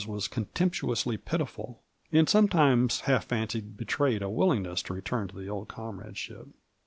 was contemptnonsly pitiful, and sometimes half fancied betrayed a willingness to return to the old comrade ship.